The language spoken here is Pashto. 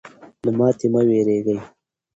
له ماتې مه ویرېږئ.